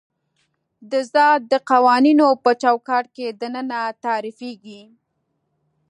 د ذات د قوانینو په چوکاټ کې دننه تعریفېږي.